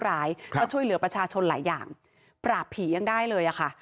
ร้ายก็ช่วยเหลือประชาชนหลายอย่างปราบผียังได้เลยอะค่ะ